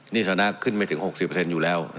นิสณะขึ้นไปถึง๖๐เปอร์เซ็นต์อยู่แล้ว